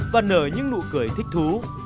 và nở những nụ cười thích thú